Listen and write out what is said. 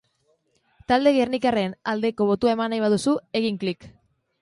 Talde gernikarraren aldeko botua eman nahi baduzu, egin klik!